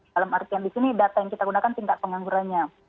dalam artian di sini data yang kita gunakan tingkat penganggurannya